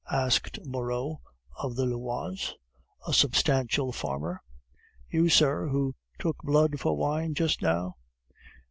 asked Moreau (of the Oise), a substantial farmer. "You, sir, who took blood for wine just now?"